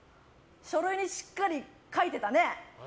書類にしっかり書いてたね。